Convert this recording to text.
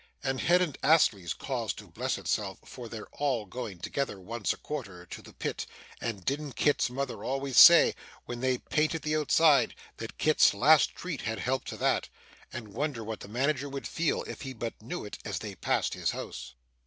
And hadn't Astley's cause to bless itself for their all going together once a quarter to the pit and didn't Kit's mother always say, when they painted the outside, that Kit's last treat had helped to that, and wonder what the manager would feel if he but knew it as they passed his house!